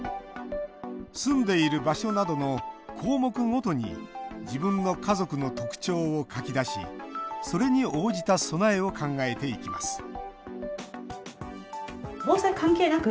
住んでいる場所などの項目ごとに自分の家族の特徴を書き出しそれに応じた備えを考えていきます